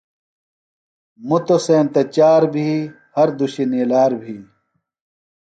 مُتوۡ سینتہ چار بھی، ہر دُشیۡ نِیلار بھی